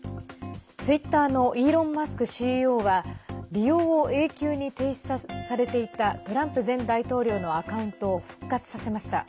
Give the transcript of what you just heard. ツイッターのイーロン・マスクＣＥＯは利用を永久に停止されていたトランプ前大統領のアカウントを復活させました。